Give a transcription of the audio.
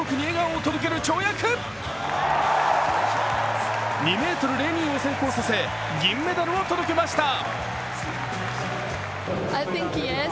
２ｍ０２を成功させ、銀メダルを届けました。